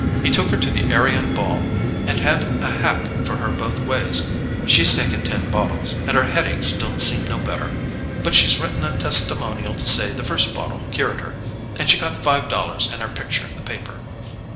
He took her to the Arion Ball, and had a hack for her both ways.... She's taken ten bottles, and her headaches don't seem no better—but she's written a testimonial to say the first bottle cured her, and she got five dollars and her picture in the paper....